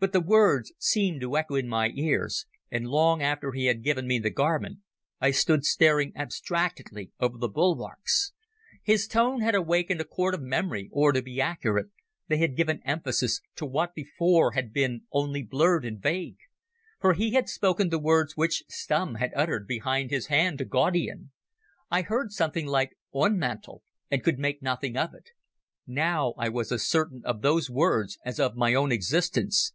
But the words seemed to echo in my ears, and long after he had given me the garment I stood staring abstractedly over the bulwarks. His tone had awakened a chord of memory, or, to be accurate, they had given emphasis to what before had been only blurred and vague. For he had spoken the words which Stumm had uttered behind his hand to Gaudian. I had heard something like "Ühnmantl," and could make nothing of it. Now I was as certain of those words as of my own existence.